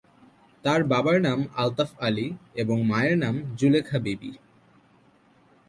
তার বাবার নাম আলতাফ আলী এবং মায়ের নাম জুলেখা বিবি।